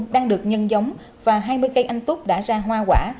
đang được nhân giống và hai mươi cây anh tú đã ra hoa quả